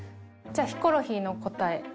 じゃあヒコロヒーの答え。